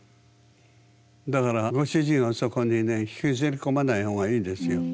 だからご主人をそこにね引きずり込まないほうがいいですよ。